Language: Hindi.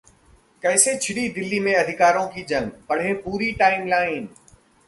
कैसे छिड़ी दिल्ली में अधिकारों की जंग, पढ़ें पूरी टाइमलाइन